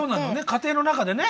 家庭の中でね。